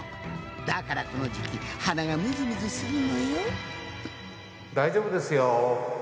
だからこの時期鼻がむずむずするのよ。